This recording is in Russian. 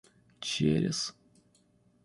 через